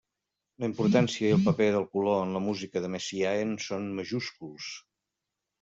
La importància i el paper del color en la música de Messiaen són majúsculs.